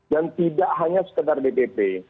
dan tidak hanya sekadar dpp